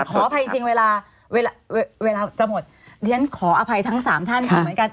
ขออภัยจริงเวลาเวลาจะหมดดิฉันขออภัยทั้ง๓ท่านเหมือนกัน